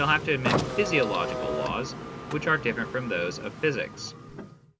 17 have to admit physiological laws which are different from those of physics.